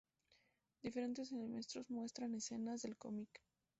Diferentes elementos muestran escenas del cómic.